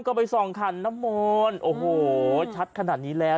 ก็ไปส่องขันน้ำมนต์โอ้โหชัดขนาดนี้แล้ว